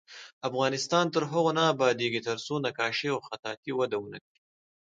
افغانستان تر هغو نه ابادیږي، ترڅو نقاشي او خطاطي وده ونه کړي.